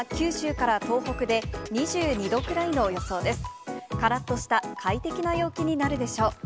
からっとした快適な陽気になるでしょう。